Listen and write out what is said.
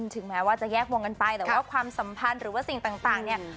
ถึงแม้ว่าจะแยกวงกันไปแต่ว่าความสัมพันธ์หรือว่าสิ่งต่างเนี่ย